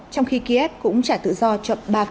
trong khi kiev cũng trả tự do cho ba phi công của nga